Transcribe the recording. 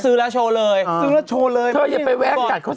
ซื้อแล้วโชว์เลยซื้อแล้วโชว์เลยเธออย่าไปแว้งกัดเขา